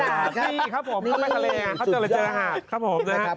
ใช่ครับผมเขาไปทะเลเขาเจอหาดครับผมนะครับ